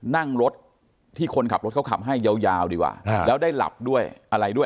นั่งรถที่คนขับรถเขาขับให้ยาวดีกว่าแล้วได้หลับด้วยอะไรด้วย